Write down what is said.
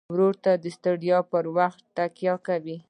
ورور ته د ستړیا پر وخت تکیه کوي.